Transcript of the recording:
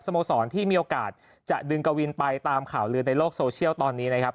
โมสรที่มีโอกาสจะดึงกวินไปตามข่าวลือในโลกโซเชียลตอนนี้นะครับ